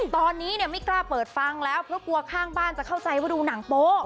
ตอนนี้ไม่กล้าเปิดฟังแล้วเพราะกลัวข้างบ้านจะเข้าใจว่าดูหนังโป๊